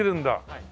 はい。